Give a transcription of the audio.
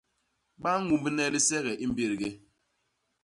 Ba ñumbne lisege i mbédgé.